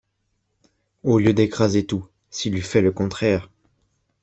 Au lieu d’écraser tout, s’il eût fait le contraire